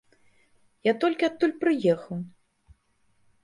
Я толькі адтуль прыехаў.